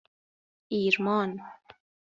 ایرمان